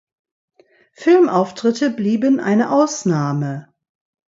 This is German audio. Filmauftritte blieben eine Ausnahme.